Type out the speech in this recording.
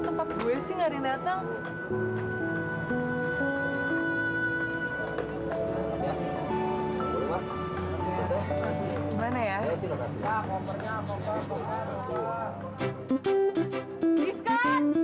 kamu mau berusaha mulai dari bawah seperti ini